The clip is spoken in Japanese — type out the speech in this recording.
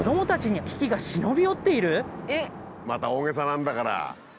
また大げさなんだから。